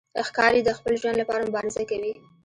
ښکاري د خپل ژوند لپاره مبارزه کوي.